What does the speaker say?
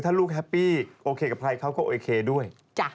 ถ้าลูกแฮปปี้โอเคกับใครเขาก็โอเคด้วย